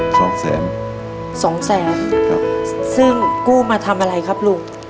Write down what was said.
โชคแสนสองแสนครับซึ่งกู้มาทำอะไรครับลูก